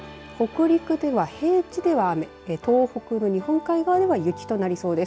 午後は、北陸では平地では雨東北の日本海側では雪となりそうです。